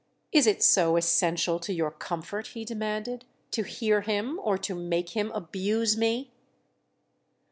"Is it so essential to your comfort," he demanded, "to hear him, or to make him, abuse me?"